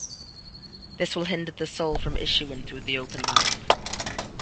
This will hinder the soul from issuing through the open mouth.